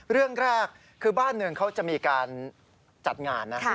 เรื่องแรกคือบ้านหนึ่งเขาจะมีการจัดงานนะ